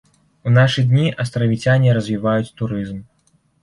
У нашы дні астравіцяне развіваюць турызм.